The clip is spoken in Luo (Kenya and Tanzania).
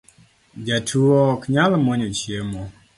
Jatu ok nyal mwonyo chiemo